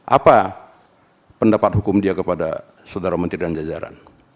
apa pendapat hukum dia kepada saudara menteri dan jajaran